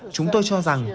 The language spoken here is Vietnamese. chúng tôi cho rằng